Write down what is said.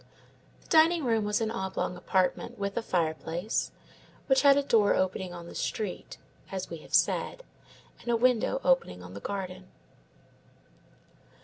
The dining room was an oblong apartment, with a fireplace, which had a door opening on the street (as we have said), and a window opening on the garden.